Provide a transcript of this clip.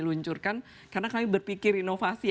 luncurkan karena kami berpikir inovasi